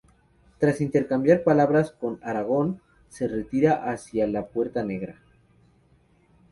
Tras intercambiar palabras con Aragorn, se retira hacia la Puerta Negra.